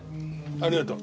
ありがとう。